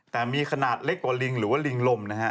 แต่มีขนาดเล็กกว่าลิงหรือว่าลิงลมนะฮะ